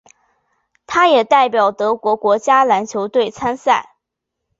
他也代表德国国家篮球队参赛。